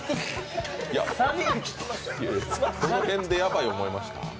どの辺でヤバい思いました？